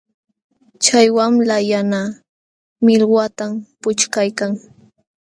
Chay wamla yana millwatam puchkaykan.